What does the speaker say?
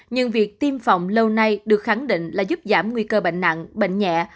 nhưng việc tiêm phòng lâu nay được khẳng định là giúp giảm nguy cơ bệnh nặng bệnh nhẹ